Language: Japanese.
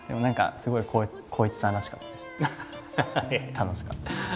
楽しかったです。